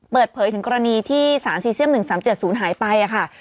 เปิดเผยถึงกรณีที่สารซีเซียม๑๓๗๐หายไปค่ะ